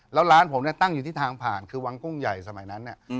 แล้วร้านผมเนี่ยตั้งอยู่ที่ทางผ่านคือวังกุ้งใหญ่สมัยนั้น